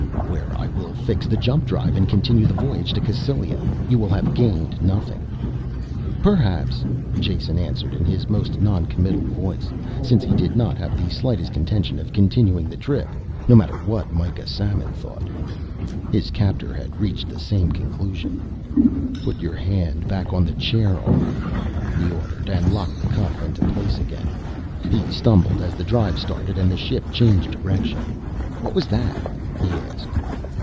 "Where I will fix the jump drive and continue the voyage to Cassylia. You will have gained nothing." "Perhaps," Jason answered in his most noncommittal voice, since he did not have the slightest intention of continuing the trip, no matter what Mikah Samon thought. His captor had reached the same conclusion. "Put your hand back on the chair arm," he ordered, and locked the cuff into place again. He stumbled as the drive started and the ship changed direction. "What was that?" he asked.